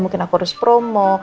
mungkin aku harus promo